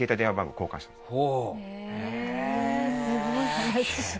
はい。